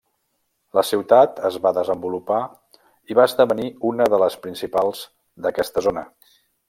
La ciutat es va desenvolupar i va esdevenir una de les principals d'aquesta zona.